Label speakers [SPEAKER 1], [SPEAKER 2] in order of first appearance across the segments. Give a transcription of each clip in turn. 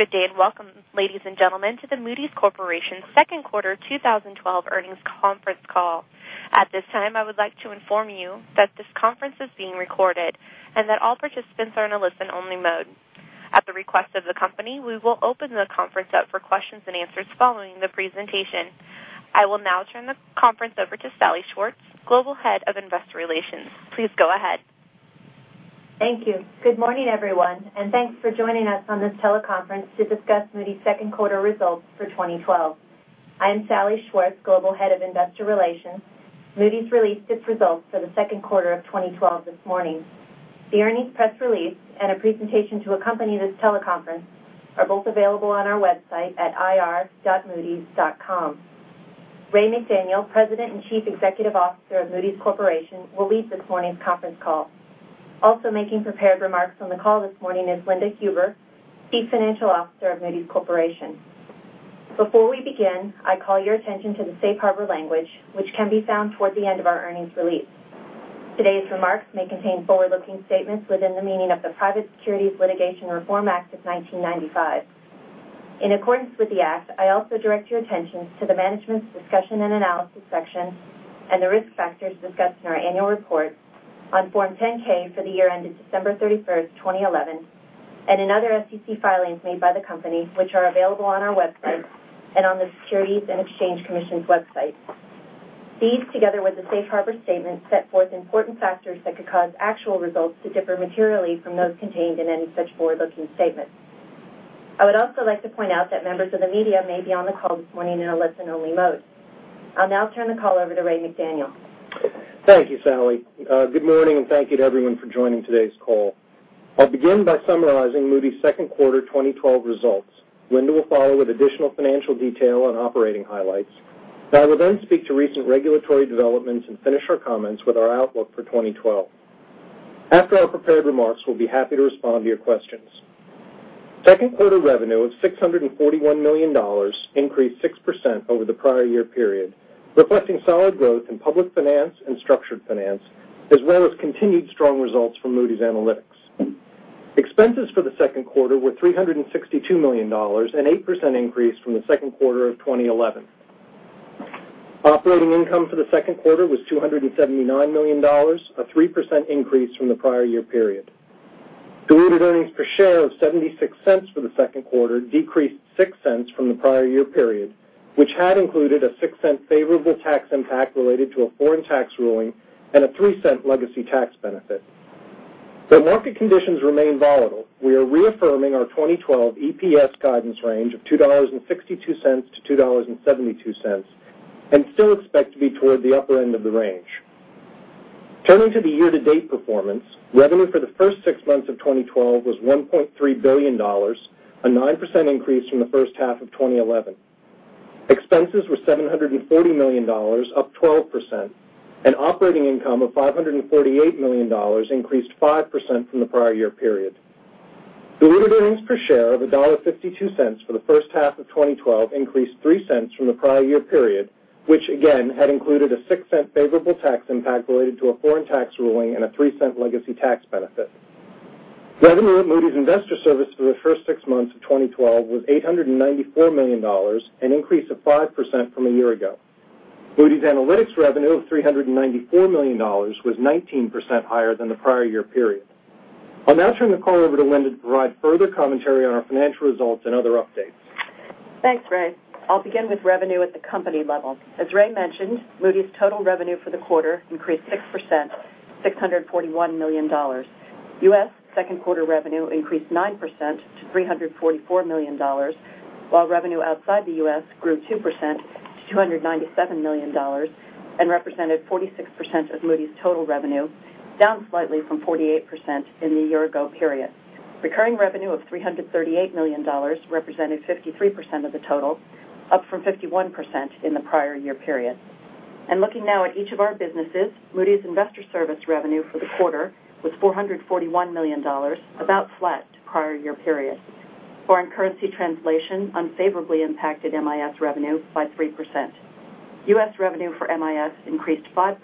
[SPEAKER 1] Good day, and welcome, ladies and gentlemen, to the Moody's Corporation second quarter 2012 earnings conference call. At this time, I would like to inform you that this conference is being recorded, and that all participants are in a listen-only mode. At the request of the company, we will open the conference up for questions and answers following the presentation. I will now turn the conference over to Salli Schwartz, Global Head of Investor Relations. Please go ahead.
[SPEAKER 2] Thank you. Good morning, everyone, thanks for joining us on this teleconference to discuss Moody's second quarter results for 2012. I am Salli Schwartz, Global Head of Investor Relations. Moody's released its results for the second quarter of 2012 this morning. The earnings press release and a presentation to accompany this teleconference are both available on our website at ir.moodys.com. Raymond McDaniel, President and Chief Executive Officer of Moody's Corporation, will lead this morning's conference call. Also making prepared remarks on the call this morning is Linda Huber, Chief Financial Officer of Moody's Corporation. Before we begin, I call your attention to the safe harbor language, which can be found toward the end of our earnings release. Today's remarks may contain forward-looking statements within the meaning of the Private Securities Litigation Reform Act of 1995. In accordance with the act, I also direct your attention to the Management's Discussion and Analysis section and the risk factors discussed in our annual report on Form 10-K for the year ended December 31st, 2011, and in other SEC filings made by the company, which are available on our website and on the Securities and Exchange Commission's website. These, together with the safe harbor statement, set forth important factors that could cause actual results to differ materially from those contained in any such forward-looking statements. I would also like to point out that members of the media may be on the call this morning in a listen-only mode. I'll now turn the call over to Raymond McDaniel.
[SPEAKER 3] Thank you, Salli. Good morning, thank you to everyone for joining today's call. I'll begin by summarizing Moody's second quarter 2012 results. Linda will follow with additional financial detail on operating highlights. I will then speak to recent regulatory developments and finish our comments with our outlook for 2012. After our prepared remarks, we'll be happy to respond to your questions. Second quarter revenue of $641 million increased 6% over the prior year period, reflecting solid growth in public finance and structured finance, as well as continued strong results from Moody's Analytics. Expenses for the second quarter were $362 million, an 8% increase from the second quarter of 2011. Operating income for the second quarter was $279 million, a 3% increase from the prior year period. Diluted earnings per share of $0.76 for the second quarter decreased $0.06 from the prior year period, which had included a $0.06 favorable tax impact related to a foreign tax ruling and a $0.03 legacy tax benefit. Though market conditions remain volatile, we are reaffirming our 2012 EPS guidance range of $2.62-$2.72, and still expect to be toward the upper end of the range. Turning to the year-to-date performance, revenue for the first six months of 2012 was $1.3 billion, a 9% increase from the first half of 2011. Expenses were $740 million, up 12%, and operating income of $548 million increased 5% from the prior year period. Diluted earnings per share of $1.52 for the first half of 2012 increased $0.03 from the prior year period, which again had included a $0.06 favorable tax impact related to a foreign tax ruling and a $0.03 legacy tax benefit. Revenue at Moody's Investors Service for the first six months of 2012 was $894 million, an increase of 5% from a year ago. Moody's Analytics revenue of $394 million was 19% higher than the prior year period. I'll now turn the call over to Linda to provide further commentary on our financial results and other updates.
[SPEAKER 4] Thanks, Ray. I'll begin with revenue at the company level. As Ray mentioned, Moody's total revenue for the quarter increased 6%, $641 million. U.S. second quarter revenue increased 9% to $344 million, while revenue outside the U.S. grew 2% to $297 million and represented 46% of Moody's total revenue, down slightly from 48% in the year ago period. Recurring revenue of $338 million represented 53% of the total, up from 51% in the prior year period. Looking now at each of our businesses, Moody's Investors Service revenue for the quarter was $441 million, about flat to prior year period. Foreign currency translation unfavorably impacted MIS revenue by 3%. U.S. revenue for MIS increased 5%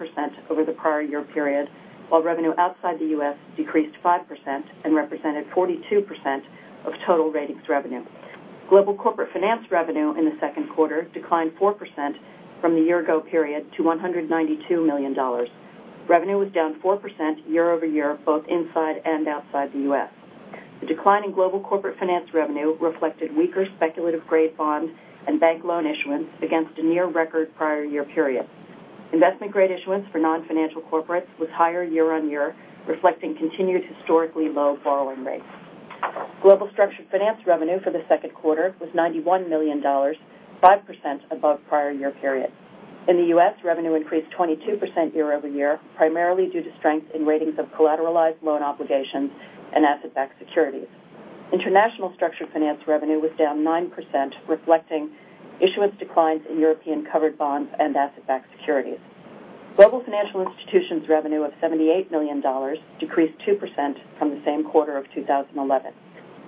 [SPEAKER 4] over the prior year period, while revenue outside the U.S. decreased 5% and represented 42% of total ratings revenue. Global corporate finance revenue in the second quarter declined 4% from the year ago period to $192 million. Revenue was down 4% year-over-year, both inside and outside the U.S. The decline in global corporate finance revenue reflected weaker speculative-grade bond and bank loan issuance against a near-record prior year period. Investment-grade issuance for non-financial corporates was higher year-on-year, reflecting continued historically low borrowing rates. Global structured finance revenue for the second quarter was $91 million, 5% above prior year period. In the U.S., revenue increased 22% year-over-year, primarily due to strength in ratings of collateralized loan obligations and asset-backed securities. International structured finance revenue was down 9%, reflecting issuance declines in European covered bonds and asset-backed securities. Global financial institutions revenue of $78 million decreased 2% from the same quarter of 2011.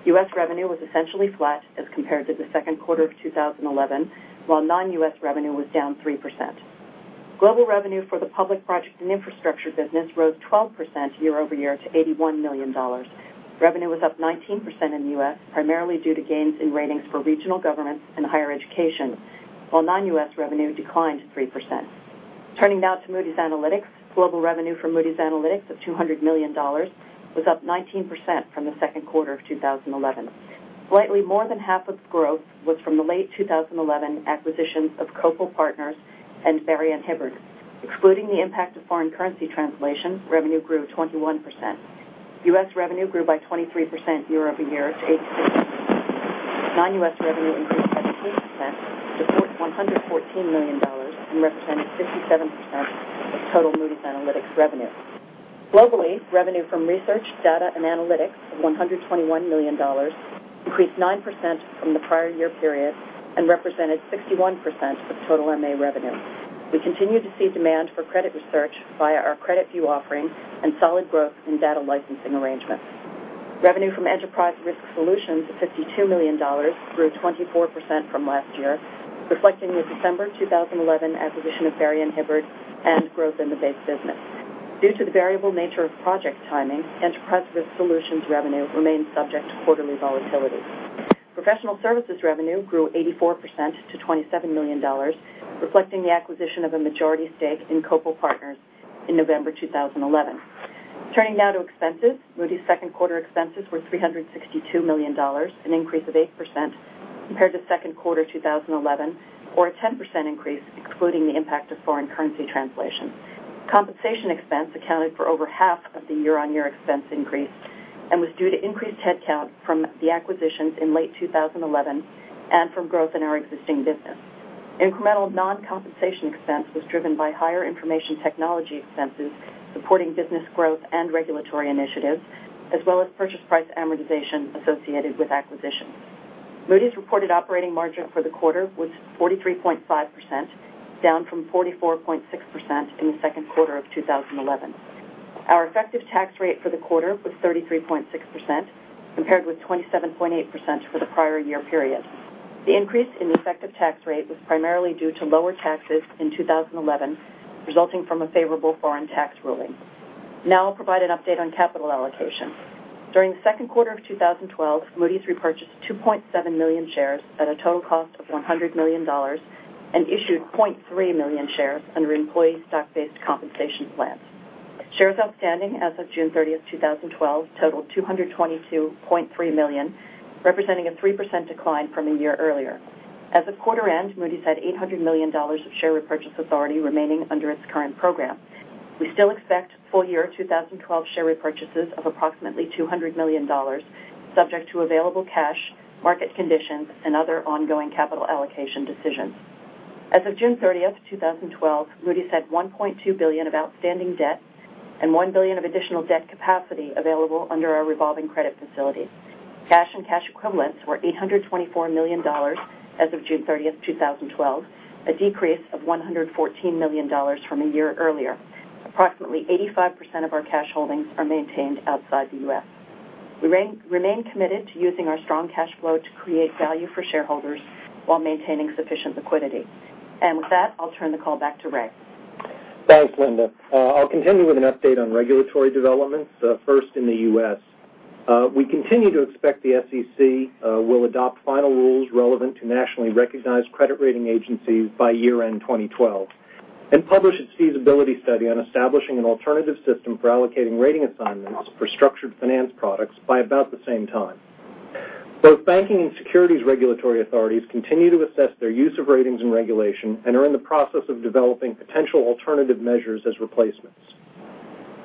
[SPEAKER 2] U.S. revenue was essentially flat as compared to the second quarter of 2011, while non-U.S. revenue was down 3%.
[SPEAKER 4] Global revenue for the Public, Project and Infrastructure Finance business rose 12% year-over-year to $81 million. Revenue was up 19% in the U.S., primarily due to gains in ratings for regional governments and higher education, while non-U.S. revenue declined 3%. Turning now to Moody's Analytics. Global revenue for Moody's Analytics of $200 million was up 19% from the second quarter of 2011. Slightly more than half of growth was from the late 2011 acquisitions of Copal Partners and Barrie & Hibbert. Excluding the impact of foreign currency translation, revenue grew 21%. U.S. revenue grew by 23% year-over-year to $86 million. Non-U.S. revenue increased by 18% to $114 million and represented 57% of total Moody's Analytics revenue. Globally, revenue from research, data, and analytics of $121 million increased 9% from the prior year period and represented 61% of total MA revenue. We continue to see demand for credit research via our CreditView offering and solid growth in data licensing arrangements. Revenue from Enterprise Risk Solutions of $52 million grew 24% from last year, reflecting the December 2011 acquisition of Barrie & Hibbert and growth in the base business. Due to the variable nature of project timing, Enterprise Risk Solutions revenue remains subject to quarterly volatility. Professional services revenue grew 84% to $27 million, reflecting the acquisition of a majority stake in Copal Partners in November 2011. Turning now to expenses. Moody's second quarter expenses were $362 million, an increase of 8% compared to second quarter 2011, or a 10% increase excluding the impact of foreign currency translation. Compensation expense accounted for over half of the year-on-year expense increase and was due to increased headcount from the acquisitions in late 2011 and from growth in our existing business. Incremental non-compensation expense was driven by higher information technology expenses supporting business growth and regulatory initiatives, as well as purchase price amortization associated with acquisitions. Moody's reported operating margin for the quarter was 43.5%, down from 44.6% in the second quarter of 2011. Our effective tax rate for the quarter was 33.6%, compared with 27.8% for the prior year period. The increase in effective tax rate was primarily due to lower taxes in 2011, resulting from a favorable foreign tax ruling. Now I'll provide an update on capital allocation. During the second quarter of 2012, Moody's repurchased 2.7 million shares at a total cost of $100 million and issued 0.3 million shares under employee stock-based compensation plans. Shares outstanding as of June 30th, 2012 totaled 222.3 million, representing a 3% decline from a year earlier. As of quarter end, Moody's had $800 million of share repurchase authority remaining under its current program. We still expect full-year 2012 share repurchases of approximately $200 million subject to available cash, market conditions, and other ongoing capital allocation decisions. As of June 30th, 2012, Moody's had $1.2 billion of outstanding debt and $1 billion of additional debt capacity available under our revolving credit facility. Cash and cash equivalents were $824 million as of June 30th, 2012, a decrease of $114 million from a year earlier. Approximately 85% of our cash holdings are maintained outside the U.S. We remain committed to using our strong cash flow to create value for shareholders while maintaining sufficient liquidity. With that, I'll turn the call back to Ray.
[SPEAKER 3] Thanks, Linda. I'll continue with an update on regulatory developments, first in the U.S. We continue to expect the SEC will adopt final rules relevant to nationally recognized credit rating agencies by year-end 2012 and publish its feasibility study on establishing an alternative system for allocating rating assignments for structured finance products by about the same time. Both banking and securities regulatory authorities continue to assess their use of ratings and regulation and are in the process of developing potential alternative measures as replacements.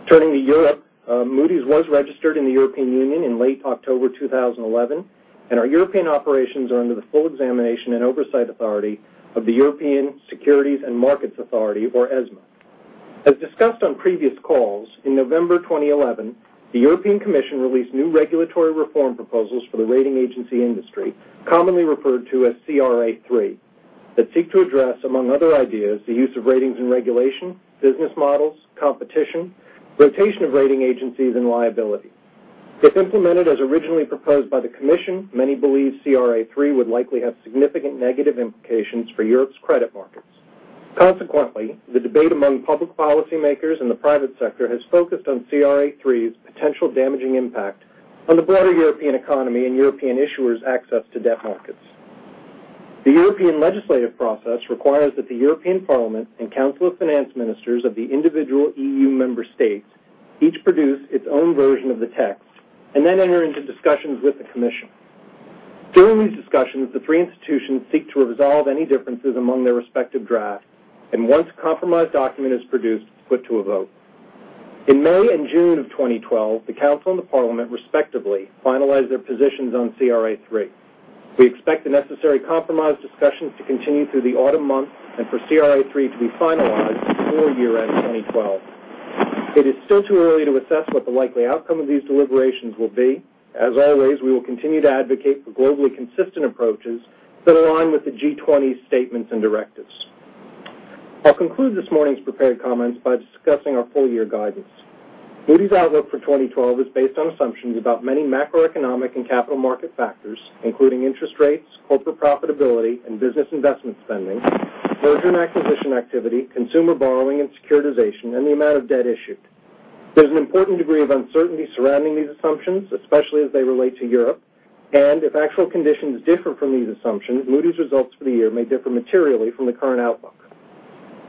[SPEAKER 3] Turning to Europe, Moody's was registered in the European Union in late October 2011, and our European operations are under the full examination and oversight authority of the European Securities and Markets Authority, or ESMA. As discussed on previous calls, in November 2011, the European Commission released new regulatory reform proposals for the rating agency industry, commonly referred to as CRA III, that seek to address, among other ideas, the use of ratings and regulation, business models, competition, rotation of rating agencies, and liability. If implemented as originally proposed by the Commission, many believe CRA III would likely have significant negative implications for Europe's credit markets. Consequently, the debate among public policymakers in the private sector has focused on CRA III's potential damaging impact on the broader European economy and European issuers' access to debt markets. The European legislative process requires that the European Parliament and Council of Finance Ministers of the individual EU member states each produce its own version of the text and then enter into discussions with the Commission. During these discussions, the three institutions seek to resolve any differences among their respective drafts. Once a compromised document is produced, it's put to a vote. In May and June of 2012, the Council and the Parliament respectively finalized their positions on CRA III. We expect the necessary compromise discussions to continue through the autumn months and for CRA III to be finalized before year-end 2012. It is still too early to assess what the likely outcome of these deliberations will be. As always, we will continue to advocate for globally consistent approaches that align with the G20 statements and directives. I'll conclude this morning's prepared comments by discussing our full-year guidance. Moody's outlook for 2012 is based on assumptions about many macroeconomic and capital market factors, including interest rates, corporate profitability, business investment spending, merger and acquisition activity, consumer borrowing and securitization, and the amount of debt issued. There is an important degree of uncertainty surrounding these assumptions, especially as they relate to Europe. If actual conditions differ from these assumptions, Moody's results for the year may differ materially from the current outlook.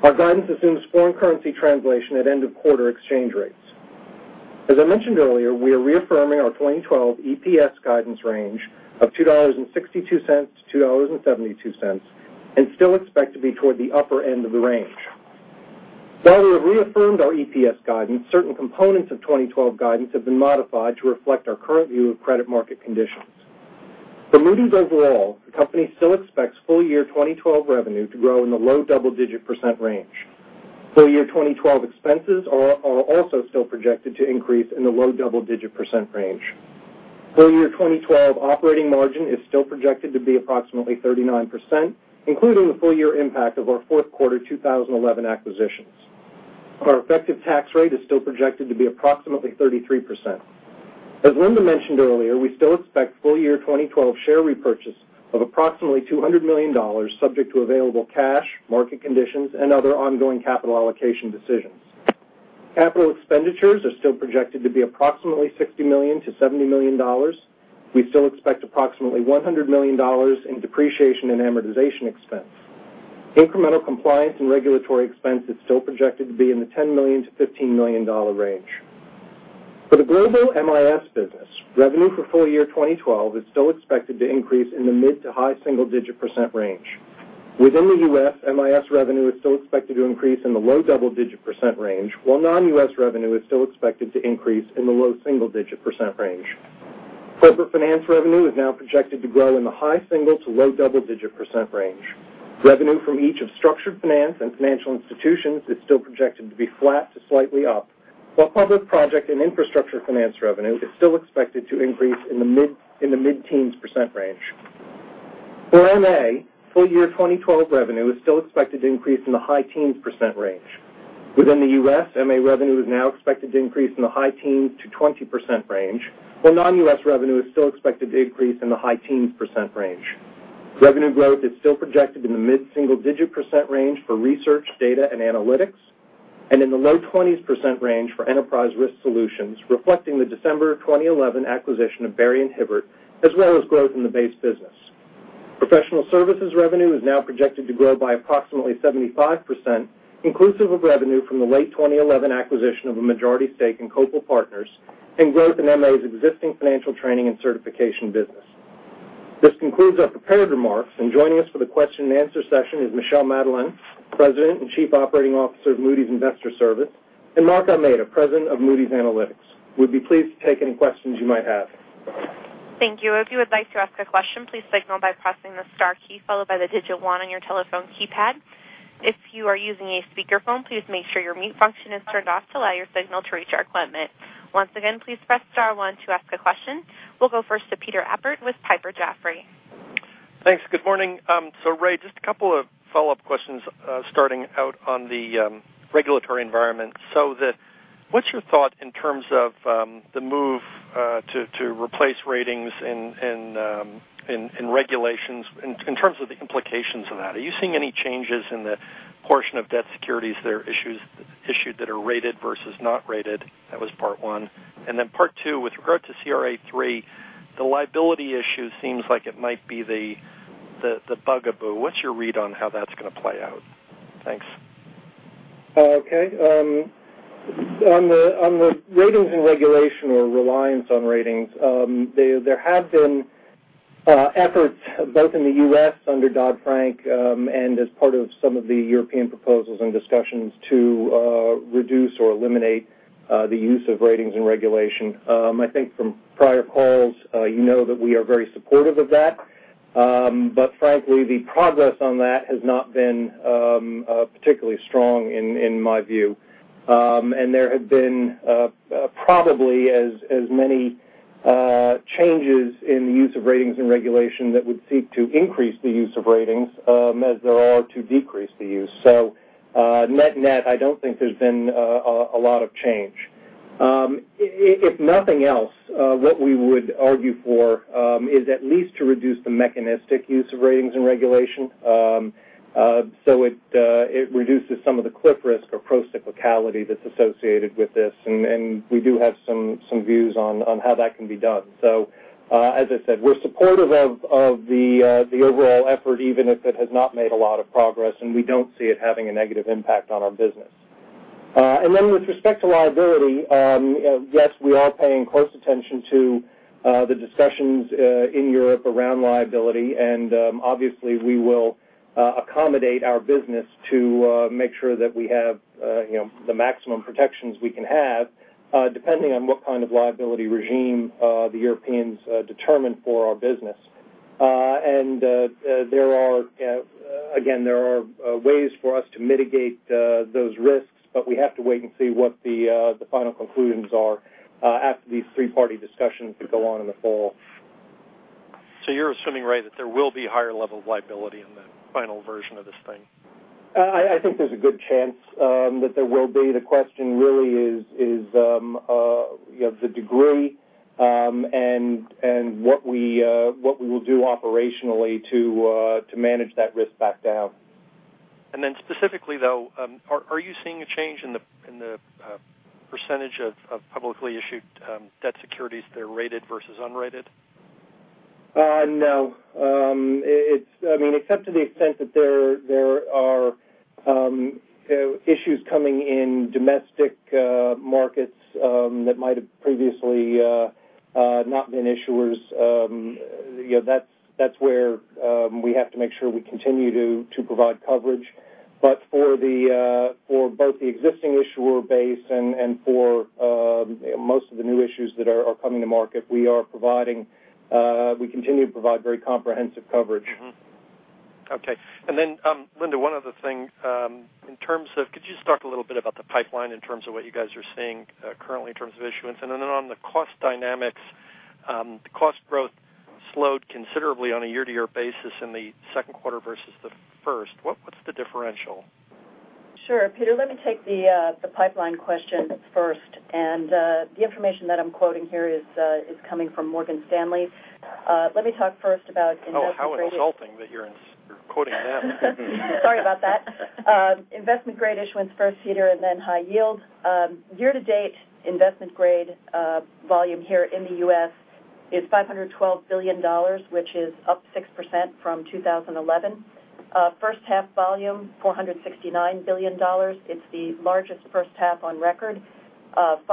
[SPEAKER 3] Our guidance assumes foreign currency translation at end of quarter exchange rates. As I mentioned earlier, we are reaffirming our 2012 EPS guidance range of $2.62-$2.72, still expect to be toward the upper end of the range. While we have reaffirmed our EPS guidance, certain components of 2012 guidance have been modified to reflect our current view of credit market conditions. For Moody's overall, the company still expects full year 2012 revenue to grow in the low double-digit % range. Full year 2012 expenses are also still projected to increase in the low double-digit % range. Full year 2012 operating margin is still projected to be approximately 39%, including the full-year impact of our fourth quarter 2011 acquisitions. Our effective tax rate is still projected to be approximately 33%. As Linda mentioned earlier, we still expect full year 2012 share repurchase of approximately $200 million subject to available cash, market conditions, and other ongoing capital allocation decisions. Capital expenditures are still projected to be approximately $60 million-$70 million. We still expect approximately $100 million in depreciation and amortization expense. Incremental compliance and regulatory expense is still projected to be in the $10 million-$15 million range. For the global MIS business, revenue for full year 2012 is still expected to increase in the mid to high single-digit % range. Within the U.S., MIS revenue is still expected to increase in the low double-digit % range, while non-U.S. revenue is still expected to increase in the low single-digit % range. Corporate finance revenue is now projected to grow in the high single to low double-digit % range. Revenue from each of structured finance and financial institutions is still projected to be flat to slightly up, while public project and infrastructure finance revenue is still expected to increase in the mid-teens % range. For MA, full year 2012 revenue is still expected to increase in the high teens % range. Within the U.S., MA revenue is now expected to increase in the high teens to 20% range, while non-U.S. revenue is still expected to increase in the high teens % range. Revenue growth is still projected in the mid-single digit % range for research data and analytics, and in the low 20s % range for Enterprise Risk Solutions, reflecting the December 2011 acquisition of Barrie & Hibbert as well as growth in the base business. Professional services revenue is now projected to grow by approximately 75%, inclusive of revenue from the late 2011 acquisition of a majority stake in Copal Partners and growth in MA's existing financial training and certification business. This concludes our prepared remarks, joining us for the question and answer session is Michel Madelain, President and Chief Operating Officer of Moody's Investors Service, and Mark Almeida, President of Moody's Analytics. We'd be pleased to take any questions you might have.
[SPEAKER 1] Thank you. If you would like to ask a question, please signal by pressing the star key followed by the digit 1 on your telephone keypad. If you are using a speakerphone, please make sure your mute function is turned off to allow your signal to reach our equipment. Once again, please press star 1 to ask a question. We'll go first to Peter Appert with Piper Jaffray.
[SPEAKER 5] Thanks. Good morning. Ray, just a couple of follow-up questions starting out on the regulatory environment. What's your thought in terms of the move to replace ratings in regulations in terms of the implications of that? Are you seeing any changes in the portion of debt securities that are issued that are rated versus not rated? That was part 1. Part 2, with regard to CRA III, the liability issue seems like it might be the bugaboo. What's your read on how that's going to play out? Thanks.
[SPEAKER 3] Okay. On the ratings and regulation or reliance on ratings, there have been efforts both in the U.S. under Dodd-Frank, and as part of some of the European proposals and discussions to reduce or eliminate the use of ratings and regulation. I think from prior calls, you know that we are very supportive of that. Frankly, the progress on that has not been particularly strong in my view. There have been probably as many changes in the use of ratings and regulation that would seek to increase the use of ratings as there are to decrease the use. Net, I don't think there's been a lot of change. If nothing else, what we would argue for is at least to reduce the mechanistic use of ratings and regulation, so it reduces some of the cliff risk or procyclicality that's associated with this, and we do have some views on how that can be done. As I said, we're supportive of the overall effort, even if it has not made a lot of progress, and we don't see it having a negative impact on our business. With respect to liability, yes, we are paying close attention to the discussions in Europe around liability, and obviously we will accommodate our business to make sure that we have the maximum protections we can have, depending on what kind of liability regime the Europeans determine for our business. Again, there are ways for us to mitigate those risks, but we have to wait and see what the final conclusions are after these three-party discussions that go on in the fall.
[SPEAKER 5] You're assuming, right, that there will be higher level of liability in the final version of this thing?
[SPEAKER 3] I think there's a good chance that there will be. The question really is the degree and what we will do operationally to manage that risk back down.
[SPEAKER 5] Specifically, though, are you seeing a change in the percentage of publicly issued debt securities that are rated versus unrated?
[SPEAKER 3] No. Except to the extent that there are issues coming in domestic markets that might have previously not been issuers. That's where we have to make sure we continue to provide coverage. For both the existing issuer base and for most of the new issues that are coming to market, we continue to provide very comprehensive coverage.
[SPEAKER 5] Mm-hmm. Okay. Linda, one other thing. Could you just talk a little bit about the pipeline in terms of what you guys are seeing currently in terms of issuance? On the cost dynamics, the cost growth slowed considerably on a year-to-year basis in the second quarter versus the first. What's the differential?
[SPEAKER 4] Sure. Peter, let me take the pipeline question first. The information that I'm quoting here is coming from Morgan Stanley. Let me talk first about investment-grade.
[SPEAKER 5] Oh, how insulting that you're quoting them.
[SPEAKER 4] Sorry about that. Investment-grade issuance first, Peter, then high yield. Year-to-date investment grade volume here in the U.S. is $512 billion, which is up 6% from 2011. First-half volume, $469 billion. It's the largest first half on record, 5%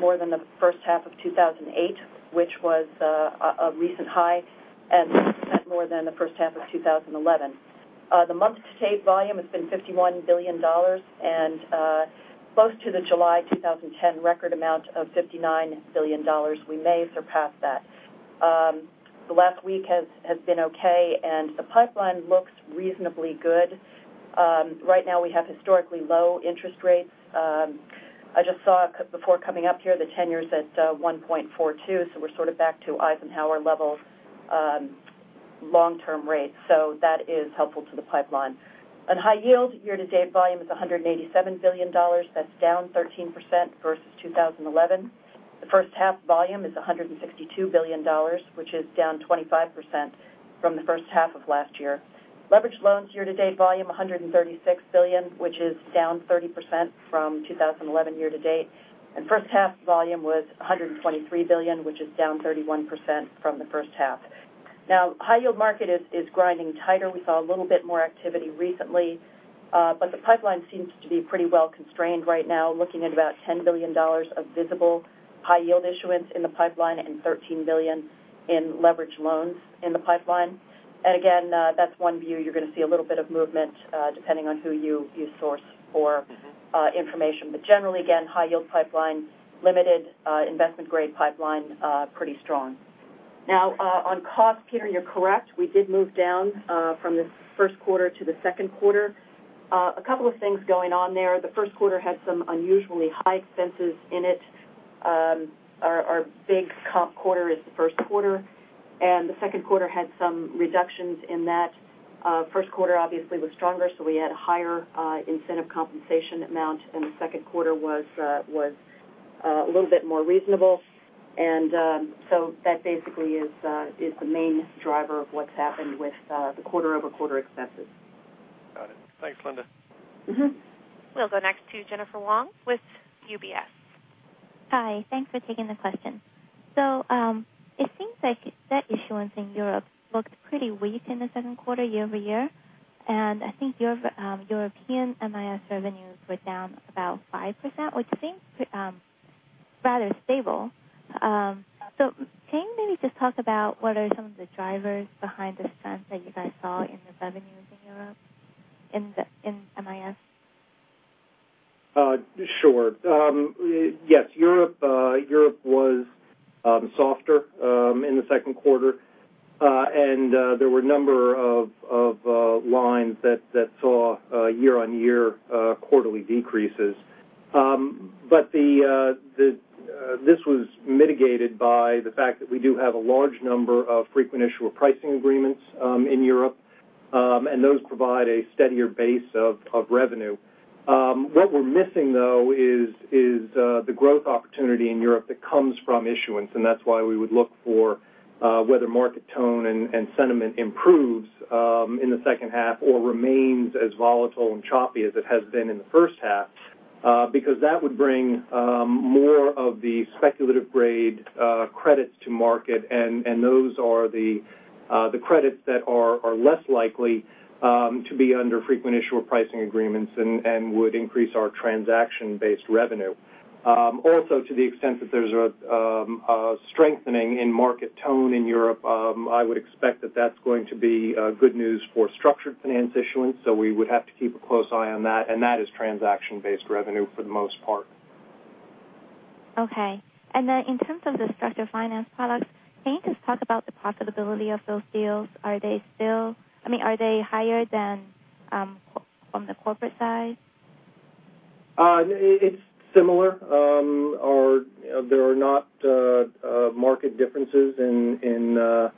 [SPEAKER 4] more than the first half of 2008, which was a recent high, and 6% more than the first half of 2011. The month-to-date volume has been $51 billion and close to the July 2010 record amount of $59 billion. We may surpass that. The last week has been okay, and the pipeline looks reasonably good. Right now we have historically low interest rates. I just saw before coming up here, the 10-year's at 1.42, so we're sort of back to Eisenhower levels long-term rates. That is helpful to the pipeline. On high yield, year-to-date volume is $187 billion. That's down 13% versus 2011. The first half volume is $162 billion, which is down 25% from the first half of last year. Leveraged loans year-to-date volume, $136 billion, which is down 30% from 2011 year-to-date. First half volume was $123 billion, which is down 31% from the first half. High yield market is grinding tighter. We saw a little bit more activity recently. The pipeline seems to be pretty well constrained right now, looking at about $10 billion of visible high yield issuance in the pipeline and $13 billion in leverage loans in the pipeline. Again, that's one view. You're going to see a little bit of movement, depending on who you source for information. Generally, again, high yield pipeline limited, investment-grade pipeline pretty strong. On cost, Peter, you're correct. We did move down from the first quarter to the second quarter. A couple of things going on there. The first quarter had some unusually high expenses in it. Our big comp quarter is the first quarter, and the second quarter had some reductions in that. First quarter obviously was stronger, so we had higher incentive compensation amount, and the second quarter was a little bit more reasonable. That basically is the main driver of what's happened with the quarter-over-quarter expenses.
[SPEAKER 5] Got it. Thanks, Linda.
[SPEAKER 1] We'll go next to Jennifer Wong with UBS.
[SPEAKER 6] It seems like debt issuance in Europe looked pretty weak in the second quarter year-over-year, and I think European MIS revenues were down about 5%, which seems rather stable. Can you maybe just talk about what are some of the drivers behind this trend that you guys saw in the revenues in Europe in MIS?
[SPEAKER 3] Sure. Yes, Europe was softer in the second quarter. There were a number of lines that saw year-on-year quarterly decreases. This was mitigated by the fact that we do have a large number of frequent issuer pricing agreements in Europe, and those provide a steadier base of revenue. What we're missing, though, is the growth opportunity in Europe that comes from issuance, and that's why we would look for whether market tone and sentiment improves in the second half or remains as volatile and choppy as it has been in the first half. That would bring more of the speculative-grade credits to market, and those are the credits that are less likely to be under frequent issuer pricing agreements and would increase our transaction-based revenue. To the extent that there's a strengthening in market tone in Europe, I would expect that that's going to be good news for structured finance issuance, so we would have to keep a close eye on that. That is transaction-based revenue for the most part.
[SPEAKER 6] Okay. In terms of the structured finance products, can you just talk about the profitability of those deals? Are they higher than from the corporate side?
[SPEAKER 3] It's similar. There are not market differences in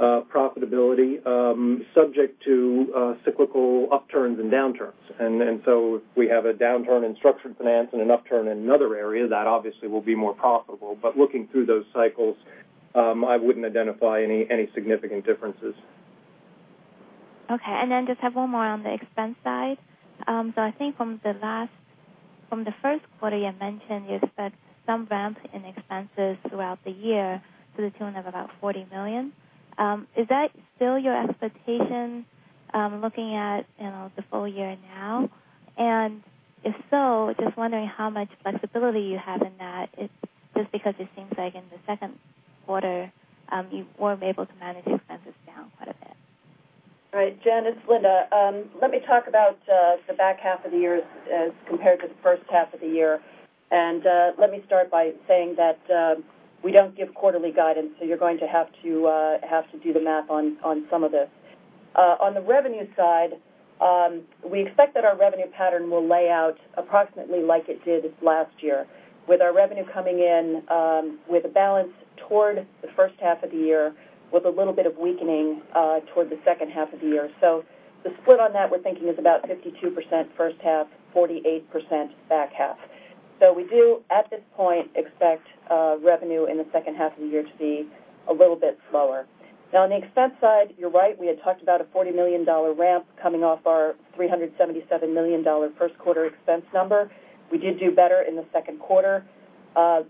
[SPEAKER 3] profitability, subject to cyclical upturns and downturns. We have a downturn in structured finance and an upturn in another area that obviously will be more profitable. Looking through those cycles, I wouldn't identify any significant differences.
[SPEAKER 6] Okay. Just have one more on the expense side. I think from the first quarter, you mentioned you spent some ramp in expenses throughout the year to the tune of about $40 million. Is that still your expectation, looking at the full year now? If so, just wondering how much flexibility you have in that, just because it seems like in the second quarter, you weren't able to manage expenses down quite a bit.
[SPEAKER 4] Right. Jen, it's Linda. Let me talk about the back half of the year as compared to the first half of the year. Let me start by saying that we don't give quarterly guidance, you're going to have to do the math on some of this. On the revenue side, we expect that our revenue pattern will lay out approximately like it did last year, with our revenue coming in with a balance toward the first half of the year, with a little bit of weakening toward the second half of the year. The split on that we're thinking is about 52% first half, 48% back half. We do, at this point, expect revenue in the second half of the year to be a little bit slower. On the expense side, you're right. We had talked about a $40 million ramp coming off our $377 million first quarter expense number. We did do better in the second quarter.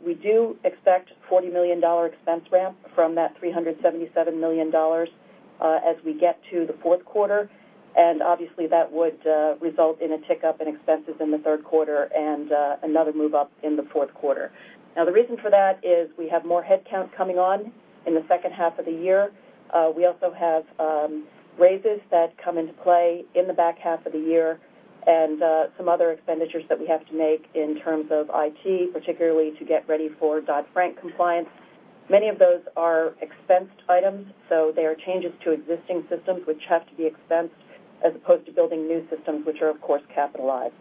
[SPEAKER 4] We do expect $40 million expense ramp from that $377 million as we get to the fourth quarter. Obviously, that would result in a tick-up in expenses in the third quarter and another move up in the fourth quarter. The reason for that is we have more headcount coming on in the second half of the year. We also have raises that come into play in the back half of the year and some other expenditures that we have to make in terms of IT, particularly to get ready for Dodd-Frank compliance. Many of those are expensed items, they are changes to existing systems which have to be expensed as opposed to building new systems, which are, of course, capitalized.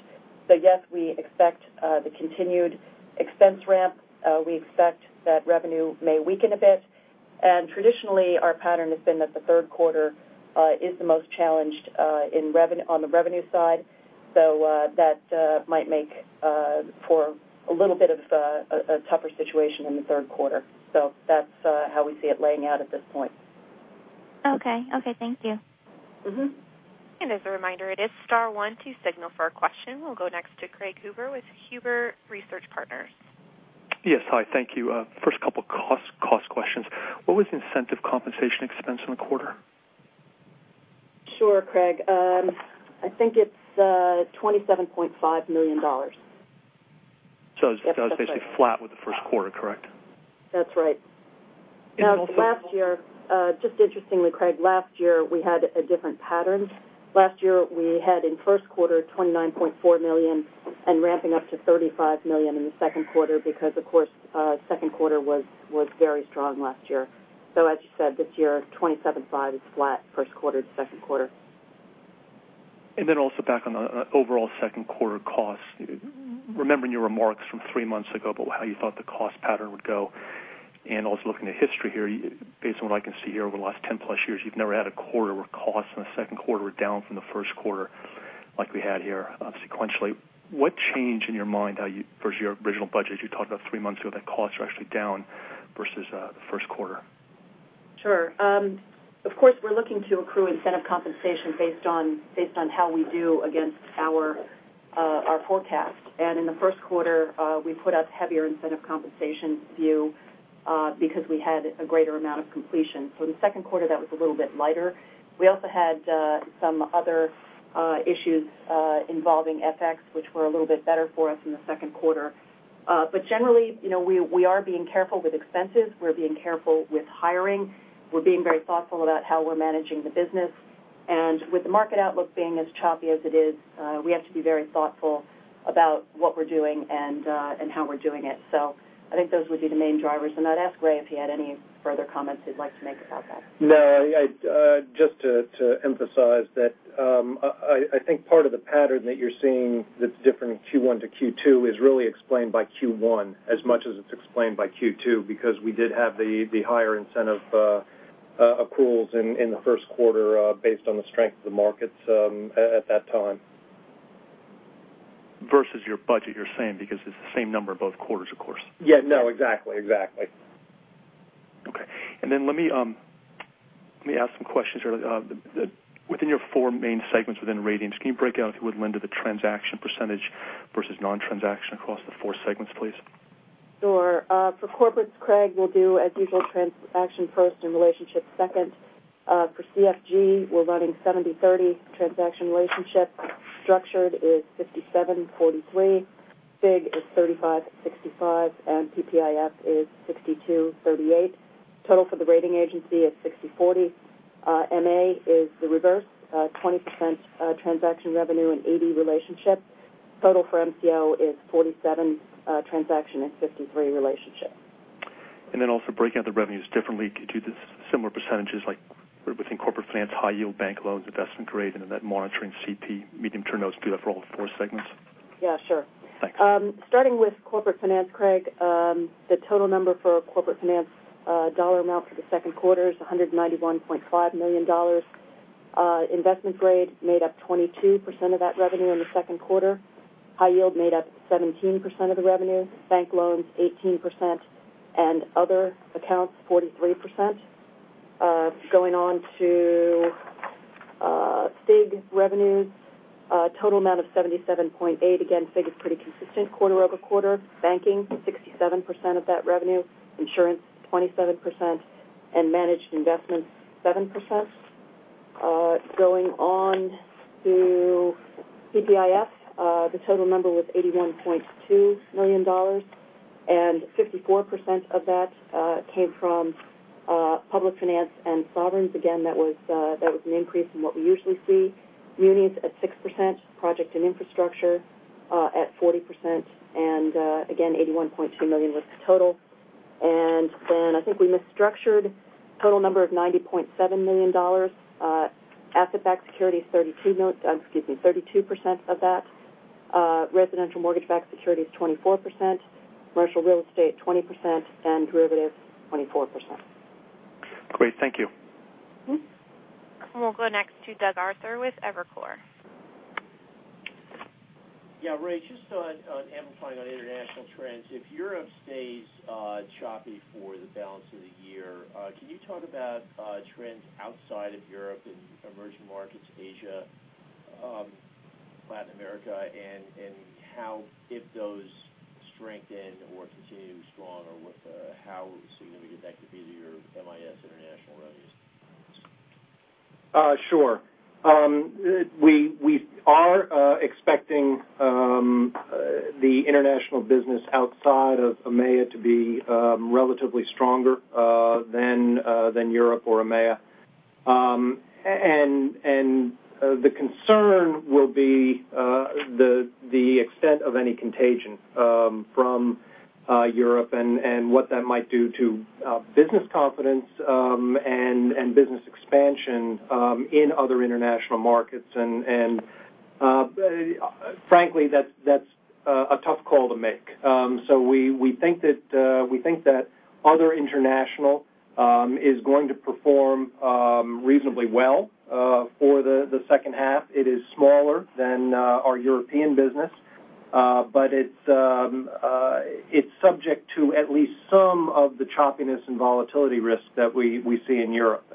[SPEAKER 4] Yes, we expect the continued expense ramp. We expect that revenue may weaken a bit. Traditionally, our pattern has been that the third quarter is the most challenged on the revenue side. That might make for a little bit of a tougher situation in the third quarter. That's how we see it laying out at this point.
[SPEAKER 6] Okay. Thank you.
[SPEAKER 1] As a reminder, it is star one to signal for a question. We'll go next to Craig Huber with Huber Research Partners.
[SPEAKER 7] Yes. Hi, thank you. First couple cost questions. What was incentive compensation expense in a quarter?
[SPEAKER 4] Sure, Craig. I think it's $27.5 million.
[SPEAKER 7] It's basically flat with the first quarter, correct?
[SPEAKER 4] That's right. Last year, just interestingly, Craig, last year we had a different pattern. Last year we had in first quarter $29.4 million and ramping up to $35 million in the second quarter because, of course, second quarter was very strong last year. As you said, this year, $27.5 is flat first quarter to second quarter.
[SPEAKER 7] Also back on the overall second quarter cost. Remembering your remarks from three months ago about how you thought the cost pattern would go, also looking at history here, based on what I can see here, over the last 10 plus years, you've never had a quarter where costs in the second quarter were down from the first quarter like we had here sequentially. What changed in your mind versus your original budget you talked about three months ago that costs are actually down versus the first quarter?
[SPEAKER 4] Sure. Of course, we're looking to accrue incentive compensation based on how we do against our forecast. In the first quarter, we put up heavier incentive compensation view because we had a greater amount of completion. In the second quarter, that was a little bit lighter. We also had some other issues involving FX, which were a little bit better for us in the second quarter. Generally, we are being careful with expenses. We're being careful with hiring. We're being very thoughtful about how we're managing the business. With the market outlook being as choppy as it is, we have to be very thoughtful about what we're doing and how we're doing it. I think those would be the main drivers. I'd ask Ray if he had any further comments he'd like to make about that.
[SPEAKER 3] No. Just to emphasize that I think part of the pattern that you're seeing that's different in Q1 to Q2 is really explained by Q1 as much as it's explained by Q2 because we did have the higher incentive accruals in the first quarter based on the strength of the markets at that time.
[SPEAKER 7] Versus your budget, you're saying, because it's the same number both quarters, of course.
[SPEAKER 3] Yeah. No, exactly.
[SPEAKER 7] Okay. Then let me ask some questions here. Within your four main segments within ratings, can you break out, if you would, Linda, the transaction % versus non-transaction across the four segments, please?
[SPEAKER 4] Sure. For Corporates, Craig, we'll do as usual, transaction first and relationship second. For CFG, we're running 70/30 transaction relationship. Structured is 57/43. FIG is 35/65. PPIF is 62/38. Total for the rating agency is 60/40. MA is the reverse, 20% transaction revenue and 80 relationship. Total for MCO is 47 transaction and 53 relationship.
[SPEAKER 7] Also breaking out the revenues differently. Could you do the similar percentages like within corporate finance, high yield bank loans, investment grade, and then that monitoring CP, medium-term notes, do that for all four segments?
[SPEAKER 4] Yeah, sure. Thanks. Starting with corporate finance, Craig Huber. The total number for corporate finance dollar amount for the second quarter is $191.5 million. Investment grade made up 22% of that revenue in the second quarter. High yield made up 17% of the revenue, bank loans 18%, and other accounts 43%. Going on to FIG revenues, a total amount of $77.8. Again, FIG is pretty consistent quarter-over-quarter. Banking, 67% of that revenue, insurance 27%, and managed investments 7%. Going on to PPIF, the total number was $81.2 million, and 54% of that came from public finance and sovereigns. Again, that was an increase from what we usually see. Munis at 6%, project and infrastructure at 40%, and again, $81.2 million was the total. I think we missed structured. Total number of $90.7 million. Asset-backed securities, 32% of that. Residential mortgage-backed securities, 24%, commercial real estate 20%, and derivatives 24%.
[SPEAKER 7] Great. Thank you.
[SPEAKER 1] We'll go next to Douglas Arthur with Evercore.
[SPEAKER 8] Yeah, Ray, just on amplifying on international trends. If Europe stays choppy for the balance of the year, can you talk about trends outside of Europe in emerging markets, Asia, Latin America, and how if those strengthen or continue to be strong or how significant that could be to your MIS international revenues?
[SPEAKER 3] Sure. We are expecting the international business outside of EMEA to be relatively stronger than Europe or EMEA. The concern will be the extent of any contagion from Europe and what that might do to business confidence and business expansion in other international markets. Frankly, that's a tough call to make. We think that other international is going to perform reasonably well for the second half. It is smaller than our European business, but it's subject to at least some of the choppiness and volatility risks that we see in Europe.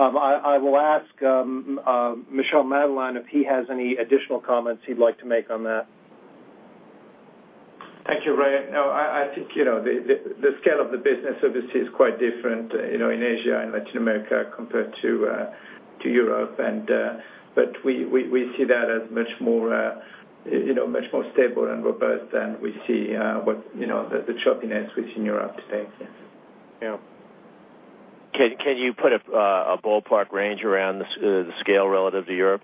[SPEAKER 3] I will ask Michel Madelain if he has any additional comments he'd like to make on that.
[SPEAKER 9] Thank you, Ray. No, I think the scale of the business obviously is quite different in Asia and Latin America compared to Europe. We see that as much more stable and robust than we see the choppiness we see in Europe today.
[SPEAKER 8] Yeah. Can you put a ballpark range around the scale relative to Europe?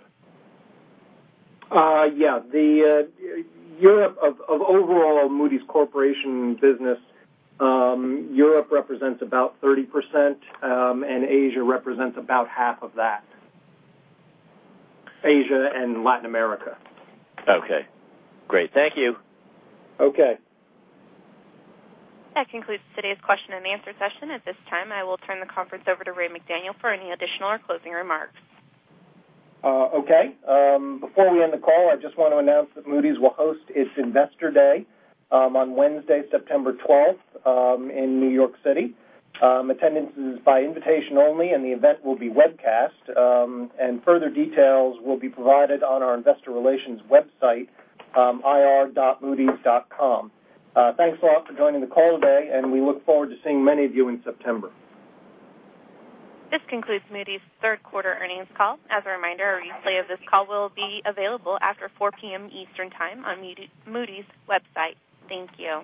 [SPEAKER 4] Yeah. Of overall Moody's Corporation business, Europe represents about 30%, Asia represents about half of that. Asia and Latin America.
[SPEAKER 8] Okay. Great. Thank you.
[SPEAKER 4] Okay.
[SPEAKER 1] That concludes today's question-and-answer session. At this time, I will turn the conference over to Raymond McDaniel for any additional or closing remarks.
[SPEAKER 3] Okay. Before we end the call, I just want to announce that Moody's will host its Investor Day on Wednesday, September 12th in New York City. Attendance is by invitation only and the event will be webcast, and further details will be provided on our investor relations website, ir.moodys.com. Thanks a lot for joining the call today, and we look forward to seeing many of you in September.
[SPEAKER 1] This concludes Moody's third quarter earnings call. As a reminder, a replay of this call will be available after 4:00 P.M. Eastern Time on Moody's website. Thank you.